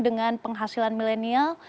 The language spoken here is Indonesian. dengan penghasilan milenial